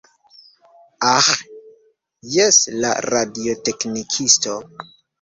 Aĥ, jes, la radioteknikisto.